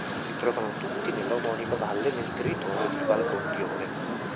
Si trovano tutti nella omonima valle nel territorio di Valbondione.